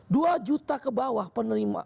dua juta ke bawah penerima